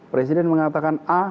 presiden mengatakan a